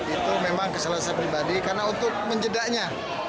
itu memang kesalahan saya pribadi karena untuk menjedaknya